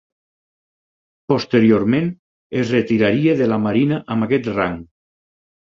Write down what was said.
Posteriorment es retiraria de la Marina amb aquest rang.